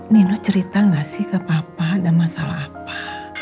nino cerita gak sih ke papa ada masalah apa